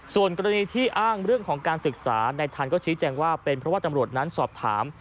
ส่วนกรณีที่อ้างเรื่องของการศึกษาในทันก็ชี้แจงว่าเป็นเพราะว่าตำรวจนั้นสอบถาม